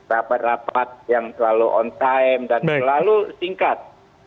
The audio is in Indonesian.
rapat rapat yang selalu on time dan selalu singkat